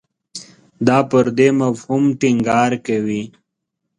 دا پر دې مفهوم ټینګار کوي.